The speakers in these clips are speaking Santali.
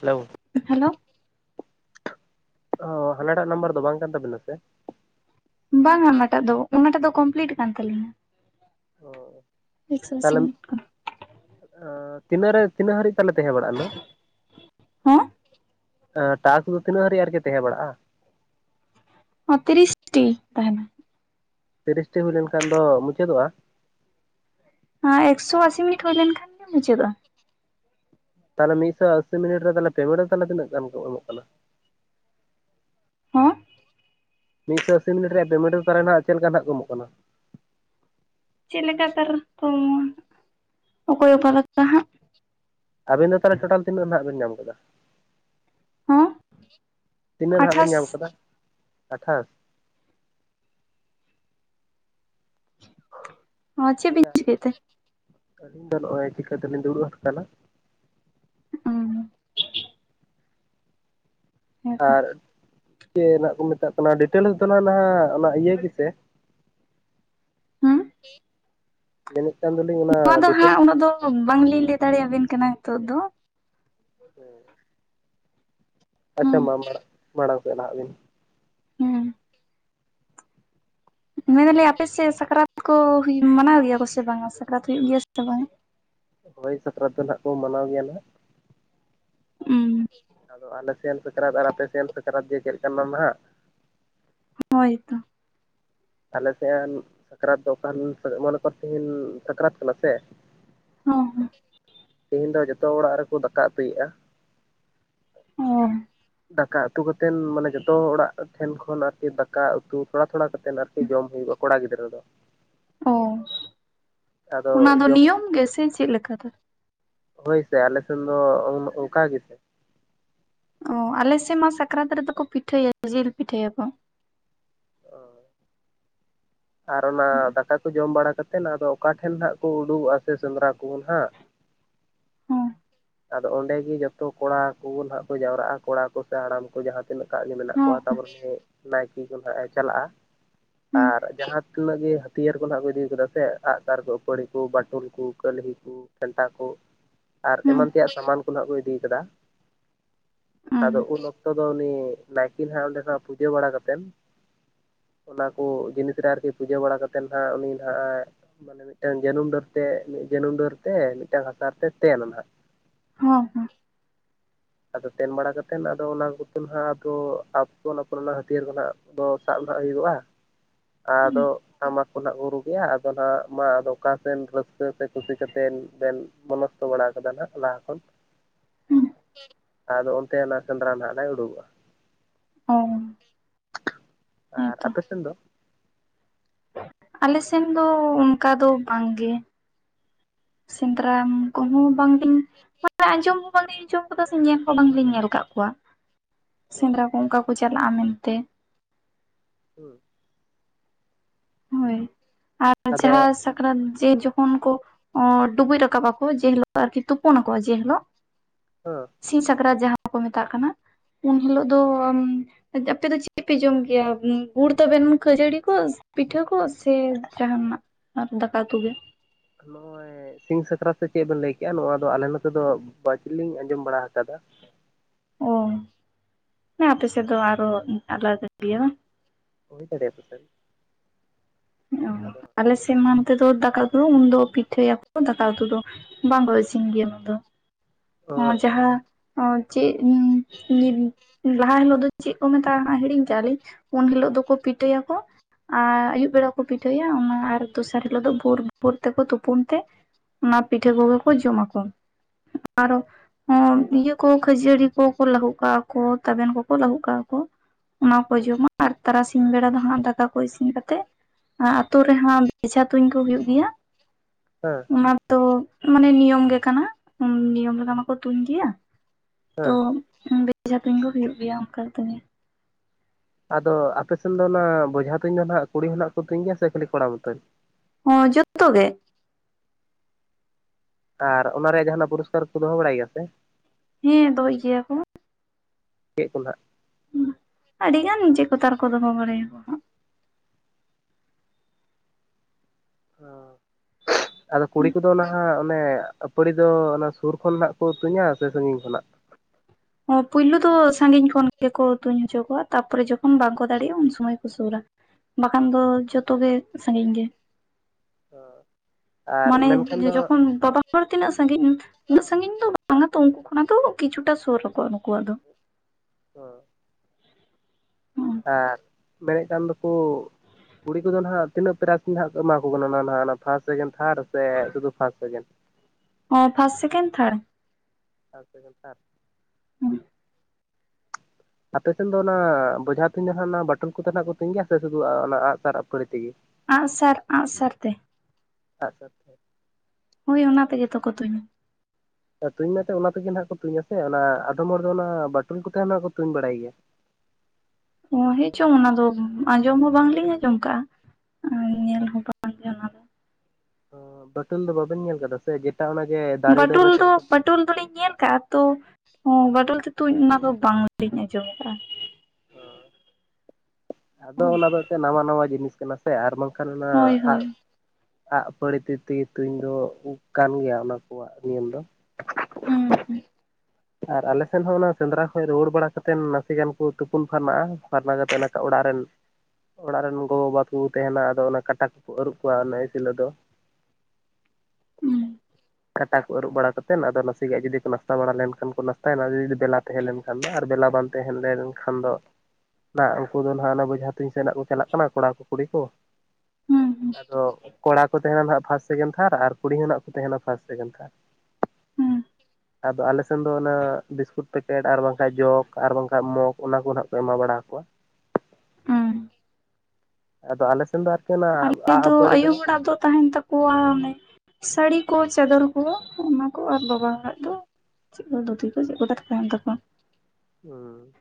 ᱦᱮᱞᱳᱣ᱾ ᱦᱮᱞᱳ᱾ ᱚ ᱦᱟᱱᱟᱴᱟᱜ ᱱᱟᱢᱵᱟᱨ ᱫᱚ ᱵᱟᱝ ᱠᱟᱱ ᱛᱟᱵᱮᱱᱟ ᱥᱮ ᱵᱟᱝᱟ ᱚᱱᱟᱴᱟᱜ ᱫᱚ ᱚᱱᱟᱴᱟᱜ ᱫᱚ ᱠᱚᱢᱯᱤᱞᱤᱴ ᱟᱠᱟᱱ ᱛᱟᱞᱤᱧᱟ ᱾ ᱚ ᱟᱪᱪᱷᱟ ᱟᱪᱪᱷᱟ ᱚᱱᱠᱟ᱾ ᱟ ᱛᱤᱱᱟᱹᱜ ᱨᱮ ᱛᱤᱱᱟᱹᱜ ᱦᱟᱹᱨᱤᱡ ᱛᱟᱞᱮ ᱛᱟᱦᱮᱸ ᱵᱟᱲᱟᱜᱱᱟ? ᱦᱚᱸ ᱴᱟᱥᱠ ᱫᱚ ᱛᱤᱱᱟᱹᱜ ᱦᱟᱹᱨᱤᱡ ᱟᱨᱠᱤ ᱛᱟᱦᱮᱸ ᱵᱟᱲᱟᱜ-ᱟ? ᱛᱤᱨᱤᱥ ᱴᱤ ᱛᱟᱦᱮᱱᱟ ᱾ ᱛᱤᱨᱤᱥᱴᱤ ᱦᱩᱭ ᱞᱮᱱᱠᱷᱟᱱ ᱫᱚ ᱢᱩᱪᱟᱹᱫᱚᱜ-ᱟ? ᱮᱠᱥᱚ ᱟᱥᱥᱤ ᱢᱤᱱᱤᱴ ᱦᱩᱭ ᱞᱮᱱ ᱠᱷᱟᱱ ᱜᱮ ᱢᱩᱪᱟᱹᱫᱚᱜ-ᱟ ᱾ ᱛᱟᱦᱚᱞᱮ ᱢᱤᱫᱥᱚ ᱟᱥᱥᱤ ᱢᱤᱱᱤᱴ ᱨᱮ ᱯᱮᱢᱮᱱᱴ ᱫᱚ ᱛᱟᱦᱚᱞᱮ ᱛᱤᱱᱟᱹᱜ ᱜᱟᱱ ᱠᱚ ᱮᱢᱚᱜ ᱠᱟᱱᱟ? ᱦᱮᱸ ᱢᱤᱫᱥᱚ ᱟᱥᱥᱤ ᱢᱤᱱᱤᱴ ᱨᱮᱭᱟᱜ ᱯᱮᱢᱮᱱᱴ ᱛᱟᱨᱮᱱᱟᱜ ᱪᱮᱫ ᱞᱮᱠᱟᱱᱟᱜ ᱠᱚ ᱮᱢᱚᱜ ᱠᱟᱱᱟ? ᱪᱮᱫ ᱞᱮᱠᱟ ᱛᱟᱨ ᱠᱚ ᱮᱢᱚᱜᱼᱟ ᱚᱠᱚᱭ ᱚᱠᱟ ᱞᱮᱠᱟ ᱦᱟᱸᱜ ᱾ ᱟᱵᱮᱱ ᱫᱚ ᱛᱟᱦᱚᱞᱮ ᱴᱳᱴᱟᱞ ᱛᱤᱱᱟᱹᱜ ᱦᱟᱸᱜ ᱵᱮᱱ ᱧᱟᱢ ᱟᱠᱟᱫᱟ? ᱦᱚᱸ ᱛᱤᱱᱟᱹᱜ ᱱᱷᱟᱜ ᱵᱤᱱ ᱟᱴᱷᱟᱥ ᱧᱟᱢ ᱠᱟᱫᱟ, ᱟᱴᱷᱟᱥ ᱾ ᱦᱚᱸ ᱪᱮᱫ ᱵᱤᱱ ᱦᱳᱭ ᱟᱨ ᱪᱤᱠᱟᱹᱭᱮᱫ ᱛᱮ ᱟᱹᱞᱤᱧ ᱫᱚ ᱱᱚᱜᱼᱚᱭ ᱪᱤᱠᱟᱹ ᱛᱮᱞᱤᱧ ᱫᱩᱲᱩᱵ [unintelligible] ᱟᱠᱟᱱᱟ ᱾ ᱚᱦᱚᱸᱻ ᱦᱮᱸᱛᱚ ᱟᱨ ᱪᱮᱫ ᱱᱟᱜ ᱠᱚ ᱢᱮᱛᱟᱜ ᱚᱱᱟ ᱰᱤᱴᱮᱞᱥ ᱫᱚ ᱱᱷᱟᱜ ᱚᱱᱟ ᱤᱭᱟᱹ ᱜᱮᱥᱮ ᱦᱩᱸ ᱢᱮᱱᱮᱫ ᱠᱟᱱ ᱫᱚᱞᱤᱧ ᱚᱱᱟ ᱱᱚᱣᱟ ᱫᱚ ᱦᱟᱸᱜ ᱰᱤᱴᱮᱞᱥ ᱩᱱᱟᱹᱜ ᱫᱚ ᱵᱟᱝᱞᱤᱧ ᱞᱟᱹᱭ ᱫᱟᱲᱮᱭᱟᱵᱤᱱ ᱠᱟᱱᱟ ᱱᱤᱛᱚᱜ ᱫᱚ ᱾ ᱦᱮᱸ ᱾ ᱦᱩᱸ ᱟᱪᱪᱷᱟ ᱢᱟ ᱢᱟᱲᱟᱝ ᱢᱟᱲᱟᱝ ᱥᱮᱫ ᱞᱟᱦᱟᱜ ᱵᱤᱱ ᱾ ᱦᱩᱸ ᱾ ᱢᱮᱱ ᱫᱟᱞᱤᱧ ᱟᱯᱮ ᱥᱮᱫ ᱥᱟᱠᱨᱟᱛ ᱠᱚ ᱢᱟᱱᱟᱣ ᱜᱮᱭᱟ ᱠᱚ ᱥᱮ ᱵᱟᱝᱟ ᱥᱟᱠᱨᱟᱛ ᱦᱩᱭᱩᱜ ᱜᱮᱭᱟ ᱥᱮ ᱵᱟᱝᱟ? ᱦᱚᱭ ᱥᱟᱠᱨᱟᱛ ᱫᱚ ᱱᱷᱟᱜ ᱠᱚ ᱢᱟᱱᱟᱣ ᱜᱮᱭᱟ ᱱᱷᱟᱜ ᱾ ᱟᱫᱚ ᱟᱞᱮ ᱥᱮᱱ ᱥᱟᱠᱨᱟᱛ ᱟᱨ ᱟᱯᱮ ᱥᱮᱱ ᱥᱟᱠᱨᱟᱛ ᱜᱮ ᱪᱮᱫ ᱞᱮᱠᱟ ᱱᱟ ᱱᱷᱟᱜ ᱾ ᱦᱳᱭ ᱛᱚ ᱾ ᱟᱞᱮ ᱥᱮᱫ ᱥᱟᱠᱨᱟᱛ ᱫᱚ ᱚᱠᱟᱱ ᱢᱚᱱᱮ ᱠᱚᱨ ᱛᱤᱦᱤᱧ ᱥᱟᱠᱨᱟᱛ ᱠᱟᱱᱟ ᱥᱮ ᱦᱚᱸ ᱛᱮᱦᱤᱧ ᱫᱚ ᱡᱚᱛᱚ ᱚᱲᱟᱜ ᱨᱮᱠᱚ ᱫᱟᱠᱟ ᱩᱛᱩᱭᱮᱫᱼᱟ ᱾ ᱦᱮᱸᱻ ᱫᱟᱠᱟ ᱩᱛᱩ ᱠᱟᱛᱮᱱ ᱢᱟᱱᱮ ᱡᱚᱛᱚ ᱚᱲᱟᱜ ᱴᱷᱮᱱ ᱠᱷᱚᱱ ᱟᱨᱠᱤ ᱫᱟᱠᱟ ᱩᱛᱩ ᱛᱷᱚᱲᱟ ᱛᱷᱚᱲᱟ ᱠᱟᱛᱮᱱ ᱟᱨᱠᱤ ᱡᱚᱢ ᱦᱩᱭᱩᱜᱼᱟ ᱠᱚᱲᱟ ᱜᱤᱫᱽᱨᱟᱹ ᱫᱚ ᱾ ᱚ ᱚᱱᱟ ᱫᱚ ᱡᱚᱢ ᱱᱤᱭᱚᱢ ᱜᱮ ᱥᱮ ᱪᱮᱫ ᱞᱮᱠᱟ ᱫᱚ? ᱦᱳᱭ ᱥᱮ ᱟᱞᱮ ᱥᱮᱱ ᱫᱚ ᱚᱱᱠᱟ ᱜᱮᱥᱮ ᱾ ᱚ ᱟᱞᱮ ᱥᱮᱜ ᱢᱟ ᱥᱟᱠᱨᱟᱛ ᱨᱮᱫᱚ ᱠᱚ ᱯᱤᱴᱷᱟᱹᱭᱟ ᱡᱤᱞ ᱯᱤᱴᱷᱟᱹᱭᱟᱠᱚ ᱾ ᱟᱨ ᱚᱱᱟ ᱫᱟᱠᱟ ᱠᱚ ᱡᱚᱢ ᱵᱟᱲᱟ ᱠᱟᱛᱮᱫ ᱟᱫᱚ ᱚᱠᱟᱴᱷᱮᱱ ᱦᱟᱜ ᱠᱚ ᱩᱰᱩᱠᱚᱜᱼᱟ ᱥᱮ ᱥᱮᱸᱫᱽᱨᱟ ᱠᱚ ᱱᱷᱟᱜ ᱾ ᱟᱫᱚ ᱚᱸᱰᱮ ᱜᱮ ᱡᱚᱛᱚ ᱠᱚᱲᱟ ᱠᱚ ᱱᱷᱟᱜ ᱠᱚ ᱡᱟᱣᱨᱟᱜᱼᱟ ᱠᱚᱲᱟ ᱠᱚ ᱾ ᱥᱮ ᱦᱟᱲᱟᱢ ᱠᱚ ᱡᱟᱦᱟᱸ ᱛᱤᱱᱟᱹᱜ ᱜᱟᱜ ᱜᱮ ᱢᱮᱱᱟᱜ ᱠᱚᱣᱟ ᱛᱟᱨᱯᱚᱨᱮ ᱱᱟᱭᱠᱮ ᱠᱚ ᱱᱷᱟᱜ ᱮ ᱪᱟᱞᱟᱜᱼᱟ ᱾ ᱟᱨ ᱡᱟᱦᱟᱸ ᱛᱤᱱᱟᱹᱜ ᱜᱮ ᱦᱟᱹᱛᱭᱟᱹᱨ ᱠᱚ ᱱᱷᱟᱜ ᱠᱚ ᱤᱫᱤ ᱠᱟᱫᱟ ᱥᱮ ᱟᱜ ᱥᱟᱨ ᱠᱚ ᱩᱯᱟᱹᱲᱤ ᱠᱚ ᱵᱟᱹᱴᱩᱞ ᱠᱚ ᱾ ᱠᱟᱹᱞᱦᱤ ᱠᱚ ᱠᱷᱮᱱᱴᱟ ᱠᱚ ᱾ ᱮᱢᱟᱱ ᱛᱮᱭᱟᱜ ᱥᱟᱢᱟᱱ ᱠᱚ ᱱᱷᱟᱜ ᱠᱚ ᱤᱫᱤ ᱟᱠᱟᱫᱟ ᱟᱫᱚ ᱩᱱ ᱚᱠ ᱚᱠᱛᱚ ᱫᱚ ᱩᱱᱤ ᱱᱟᱭᱠᱮ ᱦᱟᱸᱜ ᱚᱸᱰᱮ ᱠᱷᱚᱱᱟᱜ ᱯᱩᱡᱟᱹ ᱵᱟᱲᱟ ᱠᱟᱛᱮᱱ ᱚᱱᱟ ᱠᱚ ᱡᱤᱱᱤᱥᱨᱮ ᱟᱨᱠᱤ ᱯᱩᱡᱟᱹ ᱵᱟᱲᱟ ᱠᱟᱛᱮᱱ ᱱᱷᱟᱜ ᱩᱱᱤ ᱱᱟ ᱢᱟᱱᱮ ᱢᱤᱫᱴᱟᱹᱝ ᱡᱟᱹᱱᱩᱢ ᱰᱟᱹᱨᱛᱮ ᱢᱤᱫ ᱡᱟᱹᱱᱩᱢ ᱰᱟᱹᱨ ᱛᱮ ᱢᱤᱫᱴᱟᱹᱝ ᱦᱟᱥᱟ ᱛᱮ ᱛᱮᱱᱟ ᱱᱷᱟᱜ ᱾ ᱦᱚᱸ, ᱦᱚᱸ ᱾ ᱟᱫᱚ ᱛᱮᱱ ᱵᱟᱲᱟ ᱠᱟᱛᱮᱱ ᱟᱫᱚ ᱚᱱᱟ ᱠᱚᱛᱮ ᱱᱷᱟᱜ ᱟᱫᱚ ᱟᱯᱚᱱ ᱟᱯᱚᱱ ᱚᱱᱟ ᱦᱟᱹᱛᱭᱟᱹᱨ ᱠᱚ ᱱᱷᱟᱜ ᱟᱫᱚ ᱥᱟᱵ ᱱᱷᱟᱜ ᱦᱩᱭᱩᱜᱼᱟ ᱾ ᱟᱫᱚ ᱴᱟᱢᱟᱠ ᱠᱚ ᱱᱷᱟᱜ ᱠᱚ ᱨᱩᱜᱮᱭᱟ ᱟᱫᱚ ᱱᱷᱟᱜ ᱢᱟ ᱟᱫᱚ ᱚᱠᱟᱥᱮᱱ ᱨᱟᱹᱥ ᱨᱟᱹᱥᱟᱹ ᱥᱮ ᱠᱩᱥᱤ ᱠᱟᱛᱮ ᱵᱮᱱ ᱢᱚᱱᱚᱥᱛᱚ ᱵᱟᱲᱟ ᱠᱟᱫᱟ ᱱᱟᱦᱟᱜ ᱞᱟᱦᱟ ᱠᱷᱚᱱ ᱟᱫᱚ ᱚᱱᱛᱮ ᱱᱟᱜ ᱥᱮᱸᱫᱽᱨᱟ ᱱᱟᱦᱟᱸᱜ ᱞᱮ ᱩᱰᱩᱠᱚᱜᱼᱟ᱾ ᱦᱳᱭ᱾ ᱟᱨ ᱟᱯᱮ ᱥᱮᱱ ᱫᱚ? ᱟᱞᱮ ᱥᱮᱱ ᱫᱚ ᱚᱱᱠᱟ ᱫᱚ ᱵᱟᱝ ᱜᱮ᱾ ᱥᱮᱸᱫᱽᱨᱟ ᱠᱚᱦᱚᱸ ᱵᱟᱝ ᱞᱤᱧ ᱟᱸᱡᱚᱢ ᱵᱟᱞᱤᱧ ᱟᱸᱡᱚᱢ ᱟᱠᱟᱫᱟ ᱥᱮ ᱧᱮᱞ ᱦᱚᱸ ᱵᱟᱝᱞᱤᱧ ᱧᱮᱞ ᱟᱠᱟᱫ ᱠᱚᱣᱟ᱾ ᱦᱮᱸ ᱥᱮᱸᱫᱽᱨᱟ ᱠᱚ ᱚᱱᱠᱟ ᱠᱚ ᱪᱟᱞᱟᱜᱼᱟ ᱢᱮᱱᱛᱮ᱾ ᱦᱩᱸ᱾ ᱦᱳᱭ ᱟᱨ ᱟᱫᱚ ᱡᱟᱦᱟᱸ ᱥᱟᱠᱨᱟᱛ ᱡᱮ ᱡᱚᱠᱷᱚᱱ ᱠᱚ ᱰᱩᱵᱩᱡ ᱨᱟᱠᱟᱵᱟᱠᱚ ᱡᱮᱦᱤᱞᱳᱜ ᱟᱨᱠᱤ ᱛᱩᱯᱩᱱ ᱟᱠᱚ ᱡᱮ ᱦᱤᱞᱳᱜ᱾ ᱦᱮᱸ᱾ ᱥᱤᱧ ᱥᱟᱠᱨᱟᱛ ᱡᱟᱦᱟᱸ ᱦᱤᱞᱳᱜ ᱠᱚ ᱢᱮᱛᱟᱜ ᱠᱟᱱᱟ ᱩᱱ ᱦᱤᱞᱚᱜᱜ ᱫᱚ ᱟᱯᱮ ᱫᱚ ᱟᱯᱮ ᱫᱚ ᱪᱮᱫᱯᱮ ᱡᱚᱢ ᱜᱮᱭᱟ ᱜᱩᱲ ᱛᱟᱵᱮᱱ ᱠᱷᱟᱹᱡᱟᱹᱲᱤ ᱠᱚ ᱯᱤᱴᱷᱟᱹ ᱠᱚ ᱥᱮ ᱡᱟᱦᱟᱱᱟᱜ ᱫᱟᱠᱟ ᱩᱛᱩ ᱜᱮ? ᱱᱚᱜ-ᱚᱭ ᱥᱤᱧ ᱥᱟᱠᱨᱟᱛ ᱥᱮ ᱪᱮᱫ ᱵᱮᱱ ᱞᱟᱹᱭᱠᱮᱜᱟ ᱱᱚᱣᱟ ᱫᱚ ᱟᱞᱮ ᱱᱚᱛᱮ ᱫᱚ ᱵᱟᱹᱪᱚᱞᱤᱧ ᱟᱸᱡᱚᱢ ᱵᱟᱲᱟ ᱟᱠᱟᱫᱟ᱾ ᱚ ᱟᱯᱮ ᱥᱮᱫ ᱫᱚ ᱟᱨᱚ ᱟᱞᱟᱫᱟ ᱜᱮᱭᱟ᱾ ᱦᱩᱭ ᱫᱟᱲᱮᱟᱜᱼᱟ ᱯᱟᱪᱮᱫ᱾ ᱚ ᱟᱞᱮ ᱥᱮᱫ ᱢᱟ ᱛᱮᱫᱚ ᱫᱟᱠᱟ ᱩᱛᱩ ᱫᱚ ᱯᱤᱴᱷᱟᱹᱭᱟᱠᱚ ᱫᱟᱠᱟ ᱩᱛᱩ ᱫᱚ ᱵᱟᱝᱠᱚ ᱤᱥᱤᱱ ᱩᱱᱟᱜ ᱫᱚ᱾ ᱚ ᱡᱟᱦᱟᱸ ᱪᱮᱫ [unintelligible] ᱞᱟᱦᱟ ᱦᱤᱞᱳᱜ ᱫᱚ ᱪᱮᱫ ᱠᱚ ᱢᱮᱛᱟᱜᱼᱟ ᱦᱤᱲᱤᱧ ᱠᱟᱜᱟᱞᱤᱧ ᱩᱱ ᱦᱤᱞᱳᱜ ᱫᱚᱠᱚ ᱯᱤᱴᱷᱟᱹ ᱭᱟᱠᱚ᱾ ᱟᱨ ᱟᱹᱭᱩᱵ ᱵᱮᱲᱟ ᱠᱚ ᱯᱤᱴᱷᱟᱹᱭᱟ ᱚᱱᱟ ᱟᱨ ᱫᱚᱥᱟᱨ ᱦᱤᱞᱳᱜ ᱫᱚ ᱵᱷᱳᱨ ᱵᱷᱳᱨ ᱛᱮᱠᱚ ᱛᱩᱯᱩᱱ ᱛᱮ᱾ ᱚᱱᱟ ᱯᱤᱴᱷᱟᱹ ᱠᱚᱜᱮ ᱠᱚ ᱡᱚᱢᱟᱠᱚ ᱟᱨᱚ ᱤᱭᱟᱹ ᱠᱚ ᱠᱷᱟᱹᱡᱟᱹᱲᱤ ᱠᱚᱠᱚ ᱞᱟᱹᱦᱩᱫ ᱠᱟᱜᱼᱟ ᱠᱚ ᱛᱟᱵᱮᱱ ᱠᱚᱠᱚ ᱞᱟᱹᱦᱩᱫ ᱠᱟᱜᱼᱟ ᱠᱚ ᱚᱱᱟ ᱠᱚ ᱦᱮᱸ ᱡᱚᱢᱟ ᱟᱨ ᱛᱟᱨᱟᱥᱤᱧ ᱵᱮᱲᱟ ᱫᱚ ᱦᱟᱸᱜ ᱫᱟᱠᱟ ᱠᱚ ᱤᱥᱤᱱ ᱠᱟᱛᱮᱜ᱾ ᱟᱛᱳ ᱨᱮ ᱦᱟᱸᱜ ᱵᱮᱡᱷᱟ ᱛᱩᱧ ᱠᱚ ᱦᱩᱭᱩᱜ ᱜᱮᱭᱟ᱾ ᱦᱮᱸ᱾ ᱚᱱᱟ ᱫᱚ ᱢᱟᱱᱮ ᱱᱤᱭᱚᱢ ᱜᱮ ᱠᱟᱱᱟ ᱱᱤᱭᱚᱢ ᱞᱮᱠᱟ ᱢᱟᱠᱚ ᱛᱩᱧ ᱜᱮᱭᱟ᱾ ᱛᱚ ᱦᱮᱸ ᱵᱷᱚᱡᱟ ᱛᱩᱧ ᱦᱚᱸ ᱦᱩᱭᱩᱜ ᱜᱮᱭᱟ ᱚᱱᱠᱟ ᱛᱮᱜᱮ᱾ ᱟᱫᱚ ᱟᱯᱮᱥᱱ ᱫᱚ ᱚᱱᱟ ᱵᱚᱡᱷᱟ ᱛᱩᱧ ᱫᱚ ᱦᱚᱸᱱᱟᱜ ᱠᱩᱲᱤ ᱦᱚᱸᱱᱟᱜ ᱠᱚ ᱛᱩᱧ ᱜᱮᱭᱟ ᱥᱮ ᱠᱷᱟᱹᱞᱤ ᱠᱚᱲᱟ ᱢᱚᱛᱚᱡ? ᱦᱮᱸ ᱡᱚᱛᱚ ᱜᱮ᱾ ᱟᱨ ᱚᱱᱟ ᱨᱮᱭᱟᱜ ᱡᱟᱦᱱᱟᱜ ᱯᱩᱨᱚᱥᱠᱟᱨ ᱠᱚᱠᱚ ᱫᱚᱦᱚ ᱵᱟᱲᱟᱭ ᱜᱮᱭᱟ ᱥᱮ? ᱦᱮᱸ ᱫᱚᱦᱚᱭ ᱜᱮᱭᱟ ᱠᱚ᱾ ᱪᱮᱫ ᱠᱚ ᱦᱟᱸᱜ? ᱟᱹᱰᱤ ᱜᱟᱱ ᱡᱮ ᱠᱚᱛᱟᱨ ᱠᱚ ᱫᱚᱦᱚ ᱵᱟᱲᱟᱭᱟᱠᱚ ᱦᱟᱸᱜ᱾ ᱚᱻ ᱟᱫᱚ ᱠᱩᱲᱤ ᱠᱚᱫᱚ ᱱᱟᱦᱟᱜ ᱚᱱᱮ ᱟᱹᱯᱟᱹᱲᱤ ᱫᱚ ᱚᱱᱟ ᱥᱩᱨ ᱠᱷᱚᱱ ᱱᱟᱜ ᱠᱚ ᱛᱩᱧᱟ ᱥᱮ ᱥᱟᱺᱜᱤᱧ ᱠᱷᱚᱱᱟᱜ? ᱯᱳᱭᱞᱩ ᱫᱚ ᱥᱟᱺᱜᱤᱧ ᱠᱷᱚᱱ ᱜᱮᱠᱚ ᱛᱩᱧ ᱦᱚᱪᱚ ᱠᱚᱣᱟ ᱛᱟᱨᱯᱚᱨᱮ ᱡᱚᱠᱷᱚᱱ ᱵᱟᱝᱠᱚ ᱫᱟᱲᱮᱭᱟᱜᱼᱟ ᱩᱱ ᱥᱩᱢᱟᱹᱭ ᱠᱚ ᱥᱩᱨᱟ᱾ ᱵᱟᱠᱷᱟᱱ ᱫᱚ ᱡᱚᱛᱚ ᱜᱮ ᱥᱟᱺᱜᱤᱧ ᱜᱮ᱾ ᱚ᱾ ᱢᱟᱱᱮ ᱡᱠᱷᱚᱱ ᱵᱟᱵᱟ ᱦᱚᱲ ᱛᱤᱱᱟᱹᱜ ᱥᱟᱺᱜᱤᱧ ᱩᱱᱟᱹᱜ ᱥᱟᱺᱜᱤᱧ ᱫᱚ ᱵᱟᱝᱟ ᱛᱚ ᱩᱱᱠᱩ ᱠᱷᱚᱱᱟᱜ ᱫᱚ ᱠᱤᱪᱷᱩᱴᱟ ᱥᱩᱨ ᱟᱠᱚ ᱱᱩᱠᱩᱣᱟᱜ ᱫᱚ᱾ ᱦᱮᱸ᱾ ᱦᱚᱸ ᱟᱨ ᱢᱮᱱᱮᱫ ᱠᱟᱱ ᱫᱚᱠᱚ ᱠᱩᱲᱤ ᱠᱚᱫᱚ ᱱᱟᱦᱟᱜ ᱛᱤᱱᱟᱹᱜ ᱯᱨᱟᱭᱤᱡᱽ ᱠᱚ ᱱᱟᱜ ᱮᱢᱟ ᱠᱚ ᱠᱟᱱᱟ ᱚᱱᱟ ᱱᱟᱦᱟᱜ ᱚᱱᱟ ᱯᱷᱟᱥᱴ ᱥᱮᱠᱮᱱᱰ ᱛᱷᱟᱨ ᱥᱮ ᱥᱩᱫᱩ ᱯᱷᱟᱥᱴ ᱥᱮᱠᱮᱱᱰ? [unintelligible] ᱟᱸ ᱯᱷᱷᱟᱥᱴ ᱥᱮᱠᱮᱱᱰ ᱛᱷᱟᱨᱰ ᱥᱟᱨ ᱥᱟᱹᱜᱩᱱ ᱥᱟᱨ ᱦᱮᱸ, ᱟᱯᱮ ᱥᱮᱱ ᱫᱚ ᱚᱱᱟ ᱵᱚᱡᱷᱟ ᱛᱩᱧ ᱫᱚ ᱦᱟᱜ ᱚᱱᱟ ᱵᱟᱴᱚᱞ ᱠᱚᱛᱮ ᱱᱟᱜ ᱠᱚ ᱛᱩᱧ ᱜᱮᱭᱟ ᱥᱮ ᱥᱩᱫᱩ ᱟ ᱚᱱᱟ ᱟᱸᱜ ᱥᱟᱨ ᱟᱹᱯᱟᱹᱲᱤ ᱛᱤᱜᱤ? ᱟᱸᱜᱼᱥᱟᱨ ᱟᱸᱜᱼᱥᱟᱨ ᱛᱮ ᱾ ᱟᱸᱜ ᱥᱟᱨ ᱦᱳᱭ ᱚᱱᱟ ᱛᱮᱜᱮ ᱛᱚᱠᱚ ᱛᱩᱧᱟ ᱾ ᱛᱩᱧ ᱢᱟᱛᱚ ᱚᱱᱟ ᱛᱮᱜᱮ ᱱᱟᱦᱟᱜ ᱠᱚ ᱛᱩᱧᱟ ᱥᱮ ᱚᱱᱟ ᱟᱫᱚᱢ ᱦᱚᱲ ᱫᱚ ᱚᱱᱟ ᱵᱟᱴᱩᱞ ᱠᱚᱛᱮ ᱦᱚᱸ ᱱᱟᱜ ᱠᱚ ᱛᱩᱧ ᱵᱟᱲᱟᱭ ᱜᱮᱭᱟ ᱾ ᱚ ᱦᱮᱸ ᱪᱚᱝ ᱚᱱᱟ ᱫᱚ ᱟᱸᱡᱚᱢ ᱦᱚᱸ ᱵᱟᱝᱞᱤᱧ ᱟᱸᱡᱚᱢ ᱠᱟᱜᱼᱟ, ᱟᱸ ᱧᱮᱞ ᱦᱚᱸ ᱵᱟᱝᱜᱮ ᱚᱱᱟ ᱫᱚ ᱾ ᱚ ᱵᱟᱹᱴᱩᱞ ᱫᱚ ᱵᱟᱵᱮᱱ ᱧᱮᱞ ᱠᱟᱫᱟ ᱥᱮ ᱡᱮ ᱴᱟ ᱚᱱᱟ ᱡᱮ ᱫᱟᱨᱮ ᱰᱟᱹᱨ ᱵᱟᱴᱩᱞ ᱨᱮ ᱫᱚ ᱛᱚᱞ ᱠᱟᱛᱮ ᱵᱟᱴᱩᱞ ᱫᱚᱞᱤᱧ ᱧᱮᱞ ᱟᱠᱟᱫ ᱛᱚ ᱵᱟᱴᱳᱞ ᱛᱮᱛᱩᱚᱧ ᱚᱱᱟ ᱫᱚ ᱵᱟᱝ ᱞᱟᱹᱭᱧ ᱟᱸᱡᱚᱢ ᱟᱠᱟᱫᱼᱟ᱾ ᱚ ᱟᱫᱚ ᱚᱱᱟ ᱫᱚ ᱮᱱᱛᱮᱫ ᱱᱟᱣᱟ ᱱᱟᱣᱟ ᱡᱤᱱᱤᱥ ᱠᱟᱱᱟ ᱥᱮ ᱟᱨ ᱵᱟᱝᱠᱷᱟᱱ ᱚᱱᱟ᱾ ᱦᱳᱭ ᱦᱳᱭ ᱟᱜ ᱯᱟᱹᱲᱤ ᱛᱮ ᱛᱮᱜᱮ ᱫᱚ ᱠᱟᱱ ᱜᱮᱭᱟ ᱚᱱᱟ ᱠᱚᱣᱟᱜ ᱱᱤᱭᱚᱢ ᱫᱚᱼᱼ ᱦᱩᱸ ᱦᱩᱸ ᱟᱨ ᱟᱞᱮ ᱥᱮᱫ ᱦᱚᱸ ᱚᱱᱟ ᱥᱮᱸᱫᱽᱨᱟ ᱠᱷᱚᱱ ᱨᱩᱣᱟᱹᱲ ᱵᱟᱲᱟ ᱠᱟᱛᱮᱫ ᱱᱟᱥᱮ ᱜᱟᱱ ᱠᱚ ᱛᱩᱯᱩᱱ ᱯᱷᱟᱨᱱᱟᱜᱼᱟ ᱯᱷᱟᱨᱱᱟ ᱠᱟᱛᱮᱫ ᱚᱲᱟᱜ ᱨᱮᱱᱼᱼ ᱚᱲᱟᱜ ᱨᱮᱱ ᱜᱚ ᱵᱟᱵᱟ ᱛᱟᱦᱮᱱᱟ ᱟᱫᱚ ᱠᱟᱴᱟ ᱠᱚᱠᱚ ᱟᱹᱨᱩᱵ ᱠᱚᱣᱟ ᱮᱱ ᱦᱤᱞᱳᱜ ᱫᱚ᱾ ᱦᱩᱸ ᱠᱟᱴᱟ ᱠᱚ ᱟᱹᱨᱩᱵ ᱵᱟᱲᱟ ᱠᱟᱛ ᱟᱫᱚ ᱱᱟᱥᱮᱭᱟᱜ ᱡᱩᱫᱤ ᱠᱚ ᱱᱟᱥᱛᱟ ᱵᱟᱲᱟ ᱞᱮᱱᱟᱱ ᱱᱟᱥᱟᱭᱱᱟ ᱡᱩᱫᱤ ᱵᱮᱞᱟ ᱛᱟᱦᱮᱸ ᱞᱮᱱᱠᱷᱟᱱ᱾ ᱟᱨ ᱵᱮᱞᱟ ᱵᱟᱝ ᱛᱟᱦᱮᱸ ᱞᱮᱱᱠᱷᱟᱱ ᱫᱚ ᱱᱟᱜ ᱩᱱᱠᱩ ᱫᱚ ᱱᱟᱦᱟᱜ ᱚᱱᱟ ᱵᱩᱡᱷᱟᱣ ᱛᱩᱧ ᱥᱮᱫ ᱠᱚ ᱪᱟᱞᱟᱜ ᱠᱟᱱᱟ ᱠᱚᱲᱟ ᱠᱚ ᱠᱩᱲᱤ ᱠᱚ ᱦᱩᱸ ᱦᱩᱸ ᱟᱫᱚ ᱠᱚᱲᱟ ᱠᱚ ᱛᱟᱦᱮᱱᱟ ᱱᱟᱜ ᱯᱷᱟᱥᱴᱼᱼ ᱥᱮᱠᱮᱱᱰ ᱛᱷᱟᱨ ᱟᱨ ᱠᱩᱲᱤ ᱦᱚᱸᱱᱟᱜ ᱠᱚ ᱛᱟᱦᱮᱱᱟ ᱯᱷᱟᱥᱴ ᱥᱮᱠᱮᱱᱰ ᱛᱷᱟᱨ᱾ ᱦᱩᱸ ᱟᱫᱚ ᱟᱞᱮ ᱥᱮᱱ ᱫᱚ ᱚᱱᱟ ᱵᱤᱥᱠᱩᱴ ᱯᱮᱠᱮᱴ ᱟᱨ ᱵᱟᱝᱠᱟᱱᱡ ᱡᱚᱜ ᱟᱨ ᱵᱟᱝᱠᱟᱱ ᱢᱚᱜᱽ ᱚᱱᱟ ᱠᱚ ᱦᱟᱜ ᱠᱚ ᱮᱢᱟ ᱵᱟᱲᱟᱣᱟ᱾ ᱦᱩᱸ ᱟᱫᱚ ᱟᱞᱮᱥ ᱫᱚᱼᱼ ᱟᱞᱮ ᱫᱚ ᱟᱭᱩ ᱦᱚᱲᱟᱜ ᱫᱚ ᱛᱟᱦᱮᱱ ᱛᱟᱠᱚ᱾ ᱠᱚᱣᱟ ᱚᱱᱮ ᱥᱟᱹᱲᱤ ᱠᱚ ᱪᱟᱫᱚᱨ ᱠᱚ ᱚᱱᱟ ᱠᱚ ᱟᱨ ᱵᱟᱵᱟ ᱦᱚᱲᱟᱜ ᱫᱚ ᱪᱮᱫ ᱠᱚ ᱞᱩᱫ ᱠᱚ ᱪᱮᱫ ᱠᱚ ᱠᱟᱛᱮ ᱛᱟᱦᱮᱱ ᱛᱟᱠᱚᱣᱟ᱾ ᱦᱩᱸ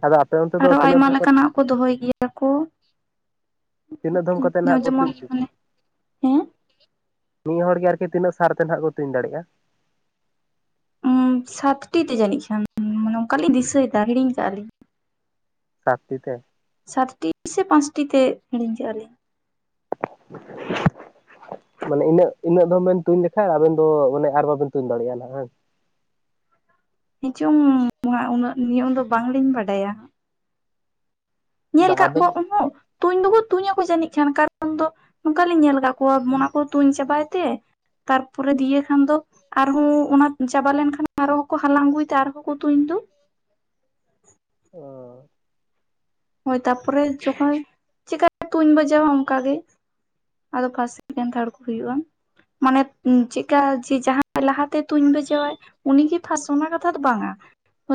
ᱟᱫᱚ ᱟᱯᱮ ᱚᱱᱼᱼ ᱟᱨ ᱟᱭᱢᱟ ᱞᱮᱠᱟᱱᱟᱜ ᱠᱚ ᱫᱚᱦᱚᱭ ᱜᱮᱭᱟ ᱠᱚ᱾ ᱛᱤᱱᱟᱹᱜ ᱫᱷᱚᱢ ᱠᱟᱛᱮ ᱱᱟᱜ ᱠᱚ ᱛᱩᱡ ᱡᱮᱢᱚᱱ ᱦᱚᱪᱚ ᱠᱚᱣᱟ᱾ ᱢᱟᱱᱮ ᱦᱮᱸ ᱢᱤᱫ ᱦᱚᱲ ᱜᱮ ᱟᱨᱠᱤ ᱛᱤᱱᱟᱹᱜ ᱥᱟᱨᱛᱮ ᱱᱟᱦᱟᱜ ᱠᱚ ᱛᱩᱧ ᱫᱟᱲᱮᱜᱼᱟ᱾ ᱩᱸ ᱥᱟᱛᱴᱤ ᱛᱮ ᱡᱟᱱᱤᱡ ᱠᱷᱟᱱ ᱚᱱᱠᱟᱞᱤᱧ ᱫᱤᱥᱟᱹᱭᱮᱫᱟ ᱦᱤᱲᱤᱧ ᱠᱟᱜᱼᱟ ᱞᱤᱧ᱾ ᱥᱟᱛᱴᱤ ᱛᱮᱼᱼ ᱥᱟᱛᱴᱤ ᱥᱮ ᱯᱟᱸᱪᱴᱤ ᱛᱮ ᱦᱤᱲᱤᱧ ᱠᱮᱫᱮᱜᱼᱟᱞᱤᱧ᱾ [unintelligible] ᱢᱟᱱᱮ ᱤᱱᱟᱹᱜ ᱤᱱᱟᱹᱜ ᱫᱚᱢ ᱵᱮᱱ ᱛᱩᱧ ᱞᱮᱠᱷᱟᱱ ᱟᱵᱮᱱ ᱫᱚ ᱢᱟᱱᱮ ᱟᱨ ᱵᱟᱵᱮᱱ ᱛᱩᱧ ᱫᱟᱲᱮᱭᱟᱜᱼᱟ ᱦᱟᱝ᱾ ᱦᱮᱸ ᱪᱚᱝ ᱩᱱᱟᱹᱜ ᱱᱤᱭᱟᱹ ᱫᱚ ᱵᱟᱝᱞᱤᱧ ᱵᱟᱰᱟᱭᱟ ᱦᱟᱸᱜ᱾ ᱧᱮᱞ ᱵᱟ ᱠᱟᱫ ᱟᱵᱮᱱ ᱠᱚᱣᱟ ᱩᱦᱩᱜ ᱛᱩᱧ ᱫᱚᱠᱚ ᱛᱩᱧ ᱟᱠᱚ ᱡᱟᱹᱱᱤᱡ ᱠᱷᱟᱱ ᱠᱟᱨᱚᱱ ᱫᱚ ᱱᱚᱝᱠᱟ ᱞᱤᱧ ᱧᱮᱞ ᱟᱠᱟᱫ ᱠᱚᱣᱟ ᱚᱱᱟ ᱠᱚ ᱛᱩᱧ ᱪᱟᱵᱟᱭ ᱛᱮᱼᱼ ᱛᱟᱨᱯᱚᱨᱮ ᱫᱤᱭᱮ ᱠᱷᱟᱱ ᱫᱚ᱾ ᱟᱨᱦᱚᱸ ᱚᱱᱟ ᱪᱟᱵᱟ ᱞᱮᱱᱠᱷᱟᱱ ᱟᱨ ᱦᱚᱸᱠᱚ ᱦᱟᱞᱟᱝ ᱟᱹᱜᱩᱭᱮᱫᱟ ᱟᱨᱦᱚᱸᱠᱚ ᱛᱩᱧ ᱫᱚ᱾ ᱚᱻ ᱦᱳᱭ ᱛᱟᱨᱯᱚᱨᱮ ᱡᱚᱠᱷᱚᱡᱽ ᱪᱮᱠᱟᱛᱮ ᱛᱩᱧ ᱵᱟᱡᱟᱣᱟ ᱚᱱᱠᱟ ᱜᱮ᱾ ᱟᱫᱚ ᱯᱷᱟᱥ ᱥᱮᱠᱮᱱ ᱛᱷᱟᱲ ᱠᱚ ᱦᱩᱭᱩᱜᱼᱟ᱾ ᱢᱟᱱᱮ ᱪᱮᱜᱠᱟ ᱡᱮ ᱡᱟᱦᱟᱸᱭ ᱞᱟᱦᱟᱛᱮ ᱛᱩᱧ ᱵᱟᱡᱟᱹᱟᱭ, ᱩᱱᱤ ᱜᱮ ᱯᱷᱟᱥ ᱚᱱᱟ ᱠᱟᱛᱷᱟ ᱫᱚ ᱵᱟᱝᱟ᱾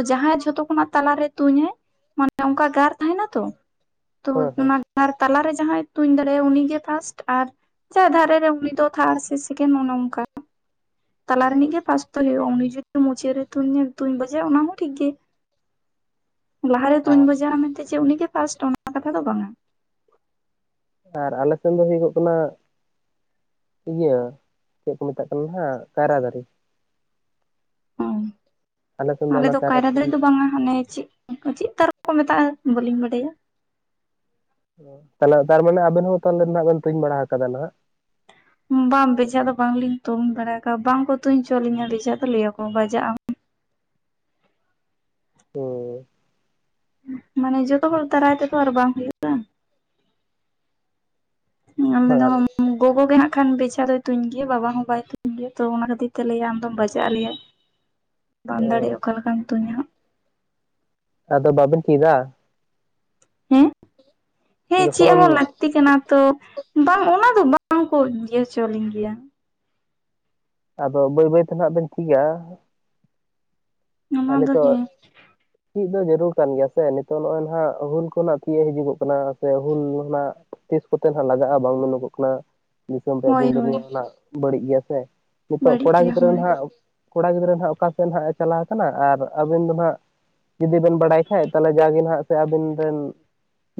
ᱡᱟᱦᱟᱸᱭ ᱡᱷᱚᱛᱚ ᱠᱷᱚᱱᱟᱜ ᱛᱟᱞᱟᱨᱮ ᱛᱩᱧᱟᱭ ᱢᱟᱱᱮ ᱚᱱᱠᱟ ᱜᱟᱨ, ᱦᱮᱸᱱᱟᱛᱚ ᱛᱚ ᱦᱮᱸ ᱦᱮᱸ ᱚᱱᱟ ᱜᱟᱨ ᱛᱟᱞᱟᱨᱮ ᱡᱟᱦᱟᱸᱭ ᱛᱩᱧ ᱫᱟᱲᱮᱭᱟᱜᱟᱭ ᱩᱱᱤᱜᱮ ᱯᱷᱟᱥᱴ ᱟᱨ ᱪᱮ ᱫᱷᱟᱨᱮ ᱨᱮ ᱩᱱᱤ ᱫᱚ ᱛᱷᱟᱲ ᱥᱮ ᱥᱮᱠᱮᱱ ᱚᱱᱮ ᱚᱱᱠᱟ, ᱚ ᱛᱟᱞᱟ ᱨᱤᱱᱤᱡᱽ ᱜᱮ ᱯᱷᱟᱥᱴ᱾ ᱫᱚᱭ ᱦᱩᱭᱩᱜ-ᱟ, ᱩᱱᱤ ᱡᱩᱫᱤ ᱢᱩᱪᱟᱹᱫ ᱨᱮ ᱛᱩᱧᱟ, ᱛᱩᱧ ᱵᱟᱡᱟᱣᱟ ᱚᱱᱟ ᱦᱚᱸ ᱴᱷᱤᱠ ᱜᱮ᱾ ᱞᱟᱦᱟᱨᱮ ᱛᱩᱧ ᱟᱨ ᱵᱟᱡᱟᱣᱟ ᱢᱮᱱᱛᱮ ᱪᱮ ᱩᱱᱤᱜᱮ ᱯᱷᱟᱥᱴ ᱚᱱᱟ ᱠᱟᱛᱷᱟ ᱫᱚ ᱵᱟᱝᱟ᱾ ᱟᱨ ᱟᱞᱮ ᱥᱮᱱ ᱫᱚ ᱦᱩᱭᱩᱜᱚᱜ ᱠᱟᱱᱟ᱾ ᱤᱭᱟᱹ ᱪᱮᱫᱽ ᱠᱚ ᱢᱮᱛᱟᱜ ᱠᱟᱱᱟ ᱱᱦᱟᱜ ᱠᱟᱭᱨᱟ ᱫᱟᱨᱮ᱾ ᱟᱞᱮ ᱫᱚ ᱠᱟᱭᱨᱟ ᱫᱟᱨᱮ ᱫᱚ ᱵᱟᱝᱟ ᱦᱟᱱᱮ ᱪᱮᱫᱽ, ᱚᱱᱠᱟ ᱪᱮᱫᱽ ᱛᱟᱨᱚᱵ ᱠᱚ ᱢᱮᱛᱟᱜᱼᱟ ᱵᱟᱹᱞᱤᱧ ᱵᱟᱰᱟᱭᱟ᱾ ᱚ ᱛᱟᱦᱚᱞᱮ ᱛᱟᱨᱢᱟᱱᱮ ᱟᱵᱮᱱ ᱦᱚᱸ ᱛᱟᱦᱚᱞᱮ ᱱᱦᱟᱜ ᱵᱮᱱ ᱛᱩᱧ ᱵᱟᱲᱟ ᱟᱠᱟᱫᱟ ᱱᱦᱟᱜ᱾ ᱵᱟᱝ ᱵᱦᱮᱡᱷᱟ ᱫᱚ ᱵᱟᱝᱞᱤᱧ ᱛᱩᱝ ᱵᱟᱲᱟ ᱟᱠᱟᱜ-ᱟ ᱵᱟᱝᱠᱚ ᱛᱩᱧᱪᱚ ᱟᱞᱤᱧᱟ ᱵᱮᱡᱷᱟ ᱫᱚ ᱞᱟᱹᱭᱟᱠᱚ ᱵᱟᱡᱟᱜᱼᱟᱢ᱾ ᱦᱮᱸ᱾ ᱢᱟᱱᱮ ᱡᱚᱛᱚ ᱦᱚᱲ ᱫᱟᱨᱟᱭ ᱛᱮᱫᱚ ᱟᱨ ᱵᱟᱝ ᱦᱩᱭᱩᱜ᱾ ᱟᱞᱮ ᱫᱚ [unintelligible] ᱜᱚᱜᱚᱜᱮ ᱦᱟᱸᱜ ᱠᱷᱟᱱ ᱵᱮᱡᱷᱟ ᱫᱚᱭ ᱛᱩᱧ ᱜᱮᱭᱟ ᱵᱟᱵᱟ ᱦᱚᱸ ᱵᱟᱭ ᱛᱩᱧ ᱜᱮᱭᱟ ᱛᱚ ᱚᱱᱟ ᱠᱷᱟᱹᱛᱤᱨ ᱛᱮ ᱞᱟᱹᱭᱟᱭ ᱟᱢᱫᱚᱢ ᱵᱟᱡᱟᱜᱼᱟ ᱞᱟᱹᱭᱟᱭ᱾ [inaudible] ᱵᱟᱢ ᱚ ᱫᱟᱲᱮᱭᱟᱜ ᱚᱠᱟᱞᱮᱠᱟᱢ ᱛᱩᱧᱟ ᱦᱟᱸᱜ᱾ ᱟᱫᱚ ᱵᱟᱵᱮᱱ ᱪᱮᱫᱟ᱾ ᱦᱮᱸ, ᱦᱮᱸ ᱪᱮᱜ ᱡᱚᱠᱷᱚᱱ ᱦᱚᱸ ᱞᱟᱠ ᱛᱤ ᱠᱟᱱᱟ ᱛᱚ ᱵᱟᱝ ᱚᱱᱟ ᱫᱚ ᱵᱟᱝ ᱠᱚ ᱤᱭᱟᱹ ᱦᱚᱪᱚ ᱟᱞᱤᱧ ᱜᱮᱭᱟ᱾ ᱟᱫᱚ ᱵᱟᱹᱭ-ᱵᱟᱹᱭ ᱛᱮ ᱱᱦᱟᱜ ᱵᱮᱱ ᱪᱤᱫᱟ᱾ ᱮᱸ ᱚᱱᱟ ᱫᱚ ᱱᱤᱛᱚᱜ᱾ ᱦᱮᱸ ᱪᱤᱫ ᱫᱚ ᱡᱟᱹᱨᱩᱲ ᱠᱟᱱ ᱜᱮᱭᱟ ᱥᱮ ᱱᱤᱛᱚᱜ ᱱᱚᱜᱼᱚᱭ ᱱᱦᱟᱜ ᱦᱩᱞ ᱠᱚᱱᱟᱜ ᱛᱤᱭᱮᱜ ᱦᱤᱡᱩᱜᱚᱜ ᱠᱟᱱᱟ ᱥᱮ ᱦᱩᱞ ᱦᱚᱱᱟᱜ᱾ ᱛᱤᱥ ᱠᱚᱛᱮ ᱱᱦᱟᱜ ᱞᱟᱜᱟᱜᱼᱟ ᱵᱟᱝ ᱢᱮᱱᱚᱜᱚᱜ ᱠᱟᱱᱟ᱾ ᱫᱤᱥᱚᱢ ᱨᱮᱭᱟᱜ ᱦᱳᱭ ᱫᱤᱱ ᱦᱳᱭ ᱫᱩᱱᱤᱭᱟᱹ ᱢᱟ ᱱᱟᱜ ᱵᱟᱹᱲᱤᱡ ᱜᱮᱭᱟ ᱥᱮ ᱱᱤᱛᱚᱜ ᱵᱟᱹᱲᱤᱡ ᱠᱚᱲᱟ ᱜᱮᱭᱟ ᱜᱤᱫᱽᱨᱟᱹ ᱦᱳᱭ ᱱᱦᱟᱜ, ᱠᱚᱲᱟ ᱜᱤᱫᱽᱨᱟᱹ ᱱᱦᱟᱜ ᱚᱠᱟᱥᱮᱫ ᱱᱦᱟᱸᱜ ᱮ ᱪᱟᱞᱟᱣ ᱠᱟᱱᱟ ᱟᱨ ᱟᱵᱤᱱ ᱫᱚ ᱱᱦᱟᱜ ᱡᱩᱫᱤ ᱵᱮᱱ ᱵᱟᱲᱟᱭ ᱠᱷᱟᱡᱽ ᱛᱟᱦᱚᱞᱮ ᱡᱟᱜᱮ ᱱᱦᱟᱜ ᱥᱮ ᱟᱵᱤᱱ ᱨᱮᱱ,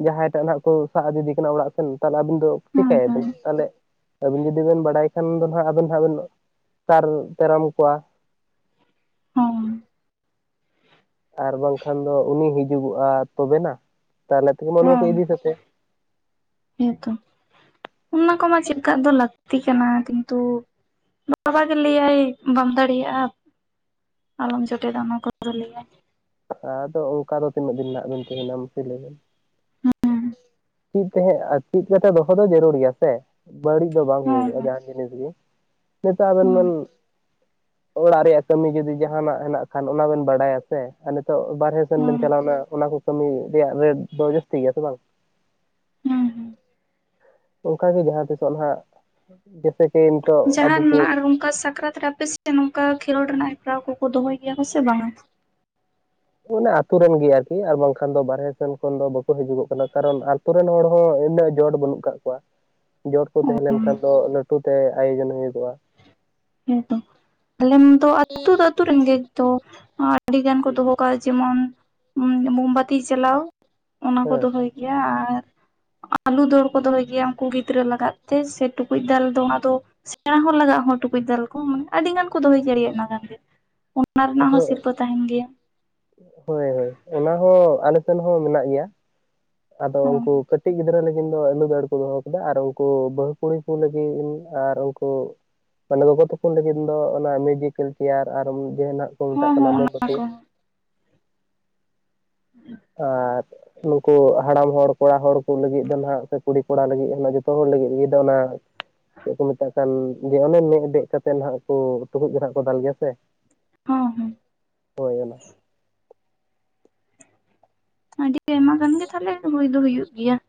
ᱡᱟᱦᱟᱸᱭ ᱴᱟᱜ ᱱᱦᱟᱜ ᱠᱚ ᱥᱟᱜ ᱤᱫᱤ ᱫᱤ ᱠᱟᱱᱟ ᱚᱲᱟᱜ ᱥᱮᱱ ᱛᱟᱦᱚᱞᱮ ᱟᱵᱤᱱ ᱫᱚ ᱦᱮᱸ ᱦᱮᱸ ᱪᱤᱠᱟᱭᱟᱵᱤᱱ ᱛᱟᱦᱚᱞᱮ ᱟᱵᱤᱱ ᱡᱩᱫᱤ ᱵᱮᱱ ᱵᱟᱲᱟᱭ ᱠᱷᱟᱱ ᱫᱚ ᱱᱦᱟᱜ ᱟᱵᱮᱱ ᱱᱦᱟᱜ ᱵᱮᱱ ᱥᱟᱨ ᱛᱮᱨᱟᱢ ᱠᱚᱣᱟ᱾ ᱦᱚᱸ ᱟᱨ ᱵᱟᱝᱠᱷᱟᱱ ᱫᱚ ᱩᱱᱤ ᱦᱤᱡᱩᱜᱚᱜᱼᱟ ᱛᱚᱵᱮᱱᱟ ᱛᱟᱦᱚᱞᱮ ᱛᱮᱦᱮᱧ ᱢᱟ ᱩᱱᱤ ᱫᱚ ᱠᱚ ᱦᱚᱸ ᱤᱫᱤ ᱥᱟᱹᱛᱮ᱾ ᱦᱮᱸᱛᱚ, ᱚᱱᱟ ᱠᱚᱢᱟ ᱪᱮᱫ ᱠᱟᱜ ᱫᱚ ᱞᱟᱹᱠ ᱛᱤ ᱠᱟᱱᱟ ᱠᱤᱱᱛᱩ ᱵᱟᱵᱟ ᱜᱮ ᱞᱟᱹᱭᱟᱭ ᱵᱟᱢ ᱫᱟᱲᱮᱭᱟᱜᱼᱟ᱾ ᱟᱞᱚᱢ ᱡᱚᱴᱮᱫᱟ ᱚᱱᱟ ᱠᱚᱫᱚ ᱞᱟᱹᱭᱟᱭ᱾ ᱟᱫᱚ ᱚᱱᱠᱟ ᱫᱚ ᱛᱤᱱᱟᱹᱜ ᱫᱤᱱ ᱱᱦᱟᱜ ᱵᱮᱱ ᱛᱟᱦᱮᱱᱟ ᱢᱟᱥᱮ ᱞᱟᱹᱭ ᱵᱮᱱ᱾ ᱦᱮᱸ ᱪᱤᱫᱽ ᱛᱟᱦᱮᱸ, ᱟᱨ ᱪᱤᱫ ᱠᱟᱛᱮ ᱫᱚᱦᱚ ᱫᱚ ᱡᱟᱹᱨᱩᱲ ᱜᱮᱭᱟ ᱥᱮ᱾ ᱵᱟᱹᱲᱤᱡᱽ ᱫᱚ ᱵᱟᱝ ᱦᱮᱸ ᱦᱩᱭᱩᱜᱚᱜᱼᱟ ᱡᱟᱦᱟᱱ ᱡᱤᱱᱤᱥ ᱜᱮ᱾ ᱱᱤᱛᱚᱜ ᱟᱵᱮᱱ ᱦᱮᱸ ᱵᱮᱱ ᱚᱲᱟᱜ ᱨᱮᱭᱟᱜ ᱠᱟᱹᱢᱤ ᱡᱩᱫᱤ ᱡᱟᱦᱟᱱᱟᱜ ᱦᱮᱱᱟᱜ ᱠᱷᱟᱱ ᱚᱱᱟ ᱵᱮᱱ ᱵᱟᱰᱟᱭᱟ᱾ ᱥᱮ ᱟᱨ ᱱᱤᱛᱚᱜ ᱵᱟᱨᱦᱮ ᱥᱮᱱ ᱵᱮᱱ ᱦᱮᱸ ᱪᱟᱞᱟᱣ ᱞᱮᱱᱟ ᱚᱱᱟ ᱠᱚ ᱠᱟᱹᱢᱤ ᱨᱮᱭᱟᱜ ᱨᱮᱴ ᱫᱚ ᱡᱟᱹᱥᱛᱤ ᱜᱮᱭᱟ ᱥᱮ ᱵᱟᱝ ᱦᱮᱸ ᱦᱮᱸ ᱚᱝᱠᱟ ᱜᱮ ᱡᱟᱦᱟᱸ ᱛᱤᱥᱚᱜ ᱱᱟᱦᱟᱜ ᱡᱮᱥᱮ ᱡᱟᱦᱟᱸᱱᱟᱜ ᱟᱨ ᱱᱚᱝᱠᱟ ᱥᱟᱠᱨᱟᱛ ᱨᱮ ᱟᱯᱮ ᱥᱮ ᱱᱚᱝᱠᱟ ᱠᱷᱮᱞᱳᱰ ᱨᱮᱱᱟᱜ ᱦᱮᱯᱨᱟᱣ ᱠᱚᱠᱚ ᱫᱚᱦᱚᱭ ᱜᱮᱭᱟ ᱥᱮ ᱵᱟᱝ-ᱟ? ᱚᱱᱟ ᱟᱛᱩᱨᱮᱱ ᱜᱮ ᱟᱨᱠᱤ ᱟᱨ ᱵᱟᱝᱠᱷᱟᱱ ᱫᱚ ᱵᱟᱨᱦᱮ ᱥᱮᱱ ᱠᱷᱚᱱ ᱫᱚ ᱵᱟᱠᱚ ᱦᱤᱡᱩᱜᱚᱜ ᱠᱟᱱᱟ ᱠᱟᱨᱚᱱ ᱟᱨ ᱟᱛᱳ ᱨᱮᱱ ᱦᱚᱲ ᱦᱚᱸ ᱩᱱᱟᱹᱜ ᱡᱚᱴ ᱵᱟᱹᱱᱩᱜ ᱟᱠᱟᱫ ᱠᱚᱣᱟ ᱾ ᱡᱚᱴ ᱠᱚ ᱚ ᱛᱟᱦᱮᱸ ᱞᱮᱱ ᱠᱷᱟᱱ ᱫᱚ ᱞᱟᱹᱴᱩᱛᱮ ᱟᱭᱳᱡᱚᱱ ᱦᱳᱭᱩᱠᱚᱜ-ᱟ ᱾ ᱦᱮᱸ ᱛᱚ ᱟᱞᱮᱢᱟᱛᱚ ᱟᱹᱛᱩ ᱫᱚ ᱟᱛᱩᱨᱮᱱ ᱜᱮᱛᱚ ᱟᱹᱰᱤ ᱜᱟᱱ ᱠᱚ ᱫᱚᱦᱚ ᱠᱟᱜ-ᱟ ᱡᱮᱢᱚᱱ ᱢᱳᱢᱵᱟᱛᱤ ᱪᱟᱞᱟᱣ, ᱚᱱᱟ ᱠᱚ ᱦᱮᱸ ᱫᱚᱦᱚᱭ ᱜᱮᱭᱟ ᱟᱨ ᱟᱞᱩ ᱫᱟᱹᱲ ᱠᱚ ᱫᱚᱦᱚᱭ ᱜᱮᱭᱟ ᱩᱱᱠᱩ ᱜᱤ ᱫᱽᱨᱟᱹ ᱞᱟᱜᱟᱜ ᱛᱮ ᱥᱮ ᱴᱩᱠᱩᱡ ᱫᱟᱞ ᱫᱚ ᱚᱱᱟᱫᱚ ᱥᱮᱸᱬᱟ ᱦᱚᱲ ᱞᱟᱜᱟᱜ ᱦᱚᱸ ᱴᱩ ᱠᱩᱡ ᱫᱟᱞ ᱠᱚ ᱢᱟᱱᱮ ᱟᱹᱰᱤ ᱜᱟᱱ ᱠᱚ ᱫᱚᱦᱚᱭ ᱜᱤᱲᱤᱭᱮᱫ ᱚᱱᱟ ᱠᱟᱱᱜᱮ ᱚᱱᱟ ᱨᱮᱱᱟᱜ ᱦᱚᱸ ᱥᱤᱨᱯᱟᱹ ᱛᱟᱦᱮᱱ ᱜᱮᱭᱟ ᱾ ᱦᱳᱭ ᱦᱳᱭ ᱚᱱᱟ ᱦᱚᱸ ᱟᱞᱮᱥᱮᱱ ᱦᱚᱸ ᱢᱮᱱᱟᱜ ᱜᱮᱭᱟ ᱟᱫᱚ ᱦᱚᱸ ᱩᱱᱠᱩ ᱠᱟᱹᱴᱤᱡ ᱜᱤᱫᱽᱨᱟᱹ ᱞᱟᱹ ᱜᱤᱱ ᱫᱚ ᱟᱹᱞᱩ ᱫᱟᱹᱲ ᱠᱚ ᱫᱚᱦᱚ ᱠᱟᱫᱟ ᱟᱨ ᱩᱱᱠᱩ ᱵᱟᱦᱩ ᱠᱩᱲᱤ ᱠᱚ ᱞᱟᱹᱜᱤᱫ ᱤᱢᱱᱤ ᱟᱨ ᱩᱱᱠᱩ ᱢᱟᱱᱮ ᱜᱚᱜᱚ ᱛᱟᱠᱚ ᱞᱟᱹᱜᱤᱫ ᱫᱚ ᱚᱱᱟ ᱢᱤᱡᱤᱠᱮᱞ ᱪᱮᱭᱟᱨ ᱟᱨ ᱩᱢᱩᱠ ᱡᱟᱦᱟᱱᱟᱜ, ᱠᱚ ᱢᱮᱛᱟᱜ ᱦᱚᱸ ᱠᱟᱱᱟ ᱦᱚᱸ ᱚᱱᱟ ᱢᱳᱢᱵᱟᱛᱤ, ᱠᱚ ᱟᱨ ᱱᱩᱠᱩ ᱦᱟᱲᱟᱢ ᱦᱚᱲ ᱠᱚᱲᱟ ᱦᱚᱲ ᱠᱚ ᱞᱟᱹᱜᱤᱫ ᱫᱚ ᱱᱟᱦᱟᱜ ᱥᱮ ᱠᱩᱲᱤ ᱠᱚᱲᱟ ᱞᱟᱹᱜᱤᱫ ᱢᱟᱱᱮ ᱡᱚᱛᱚ ᱦᱚᱲ ᱞᱟᱹᱜᱤᱫ ᱢᱤᱫ ᱫᱚ ᱚᱱᱟ, ᱪᱮᱫ ᱠᱚ ᱢᱮᱛᱟᱜ ᱠᱟᱱ, ᱡᱮ ᱚᱱᱮ ᱢᱮᱫ ᱵᱮᱜ ᱠᱟᱛᱮ ᱱᱟᱦᱟᱜ ᱠᱚ ᱴᱩᱠᱩᱡ ᱱᱟᱦᱟᱜ ᱠᱚ ᱫᱟᱞ ᱜᱮᱭᱟ ᱥᱮ ᱦᱩᱸ ᱦᱩᱸ ᱦᱳᱭ ᱚᱱᱟ ᱟᱹᱰᱤ ᱟᱭᱢᱟ ᱜᱟᱱ ᱜᱮ ᱛᱟᱦᱞᱮ ᱦᱩᱭ ᱫᱚ ᱦᱩᱭᱩᱜ ᱜᱮᱭᱟ ᱾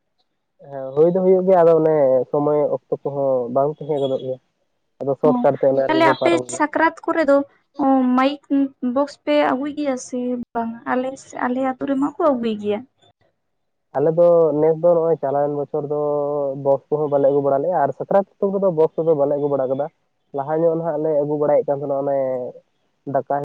ᱦᱮᱸ ᱦᱳᱭ ᱫᱚ ᱦᱩᱭᱩᱜ ᱜᱮᱭᱟ ᱟᱫᱚ ᱚᱱᱮ ᱥᱚᱢᱚᱭ ᱚᱠᱛᱚ ᱠᱚᱦᱚᱸ ᱵᱟᱝ ᱛᱮᱦᱮ ᱜᱚᱫᱚᱜ ᱜᱮᱭᱟ ᱟᱫᱚ ᱥᱚᱴ ᱦᱚᱸ ᱠᱟᱴ ᱛᱮ ᱚᱱᱟ ᱨᱮᱜᱮ ᱛᱟᱦᱞᱮ ᱠᱚ ᱟᱯᱮ ᱯᱟᱨᱚᱢᱟ ᱜᱮᱭᱟ ᱾ ᱥᱟᱠᱨᱟᱛ ᱠᱚᱨᱮ ᱫᱚ ᱚ ᱢᱟᱭᱤᱠ ᱵᱚᱠᱥ ᱯᱮ ᱟᱹᱜᱩᱭ ᱜᱮᱭᱟ ᱥᱮ ᱵᱟᱝ ᱟᱞᱮ ᱟᱞᱮ ᱟᱛᱳ ᱨᱮᱢᱟᱠᱚ ᱟᱹᱜᱩᱭ ᱜᱮᱭᱟ᱾ ᱟᱞᱮ ᱫᱚ ᱱᱮᱥ ᱫᱚ ᱱᱚᱜᱼᱚᱭ ᱪᱟᱞᱟᱣᱮᱱ ᱵᱚᱪᱷᱚᱨ ᱫᱚ ᱵᱚᱠᱥ ᱠᱚᱦᱚᱸ ᱵᱟᱞᱮ ᱟᱹᱜᱩ ᱵᱟᱲᱟ ᱞᱮᱜᱼᱟ ᱟᱨ ᱥᱟᱠᱨᱟᱛ ᱟᱛᱳ ᱠᱚᱫᱚ ᱵᱚᱥ ᱠᱚᱫᱚ ᱵᱟᱞᱮ ᱟᱹᱜᱩ ᱵᱟᱲᱟ ᱠᱟᱫᱟ, ᱞᱟᱦᱟ ᱧᱚᱜ ᱱᱟᱦᱟᱜ ᱞᱮ ᱟᱹᱜᱩ ᱵᱟᱲᱟᱭᱮᱫ ᱠᱟᱱ ᱛᱟᱸᱦᱮᱱᱟ ᱚᱱᱮ ᱫᱟᱠᱟᱭ